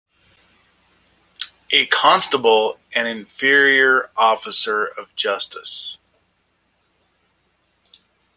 A constable an inferior officer of justice.